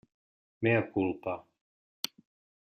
Mea culpa.